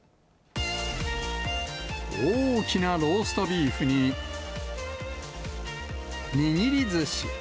大きなローストビーフに、握りずし。